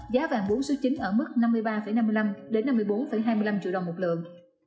giá vàng bốn số chín ở mức năm mươi ba năm mươi năm năm mươi bốn hai mươi năm triệu đồng một lượng